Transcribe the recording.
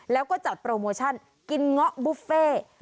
แล้วก็จัดโปรโมชั่นกินเงาะบุฟเฟ่